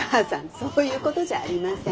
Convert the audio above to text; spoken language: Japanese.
そういうことじゃありません。